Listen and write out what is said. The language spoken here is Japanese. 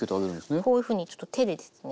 こういうふうにちょっと手でですね